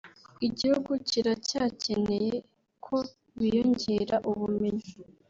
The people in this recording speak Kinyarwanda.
igihugu kiracyakeneye ko biyongera ubumenyi